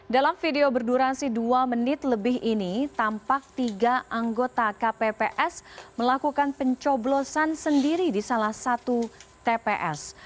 dalam video berdurasi dua menit lebih ini tampak tiga anggota kpps melakukan pencoblosan sendiri di salah satu tps